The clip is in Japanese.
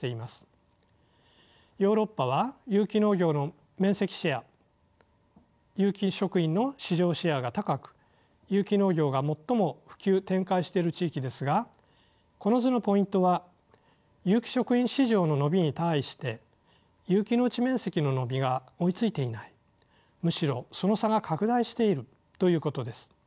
ヨーロッパは有機農業の面積シェア有機食品の市場シェアが高く有機農業が最も普及展開している地域ですがこの図のポイントは有機食品市場の伸びに対して有機農地面積の伸びが追いついていないむしろその差が拡大しているということです。